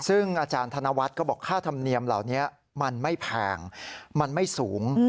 ซึ่งอาจารย์ธนวัฒน์ก็บอกค่าธรรมเนียมเหล่านี้มันไม่แพงมันไม่สูง